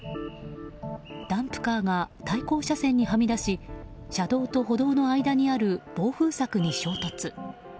ダンプカーが対向車線にはみ出し車道と歩道の間にある防風柵に衝突。